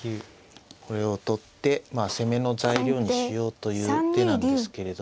これを取って攻めの材料にしようという手なんですけれど